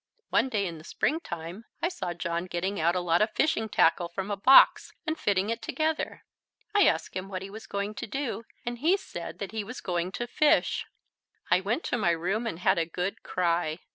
One day in the spring time I saw John getting out a lot of fishing tackle from a box and fitting it together. I asked him what he was going to do, and he said that he was going to fish. I went to my room and had a good cry.